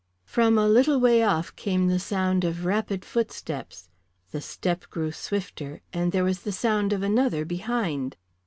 From a little way off came the sound of rapid footsteps. The step grew swifter, and there was the sound of another behind.